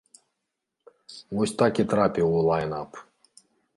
Вось так і трапіў у лайн-ап.